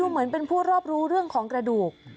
เหมือนเป็นผู้รอบรู้เรื่องของกระดูก